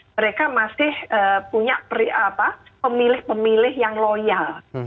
mereka masih punya pemilih pemilih yang loyal